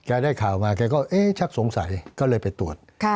ได้ข่าวมาแกก็เอ๊ะชักสงสัยก็เลยไปตรวจ